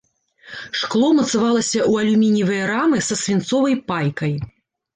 Шкло мацавалася ў алюмініевыя рамы са свінцовай пайкай.